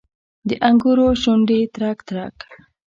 د انګورو شونډې ترک، ترک